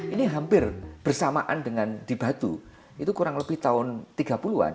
ini hampir bersamaan dengan di batu itu kurang lebih tahun tiga puluh an